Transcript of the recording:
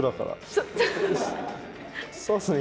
そうっすね